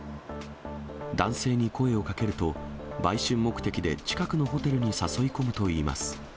男性に声をかけると、売春目的で近くのホテルに誘い込むといいます。